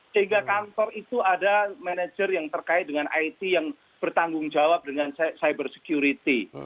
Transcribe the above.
sehingga kantor itu ada manajer yang terkait dengan it yang bertanggung jawab dengan cyber security